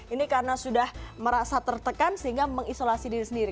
ini karena sudah merasa tertekan sehingga mengisolasi diri sendiri